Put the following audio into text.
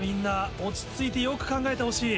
落ち着いてよく考えてほしい。